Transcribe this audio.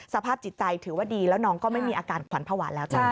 สภาพจิตใจถือว่าดีแล้วน้องก็ไม่มีอาการขวัญภาวะแล้วจ้ะ